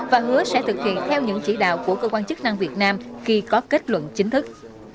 và hứa sẽ thực hiện theo những chỉ đạo của cơ quan chức năng việt nam khi có kết luận chính thức